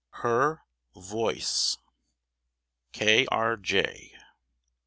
HER VOICE. K. R. J.